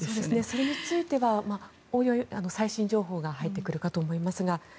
それについてはおいおい、最新情報が入ってくるかと思いますが。